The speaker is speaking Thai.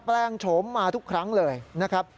แปลงโฉมมาทุกครั้งเลยนะครับ